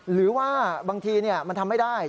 หรือว่าบางทีมันทำไม่ได้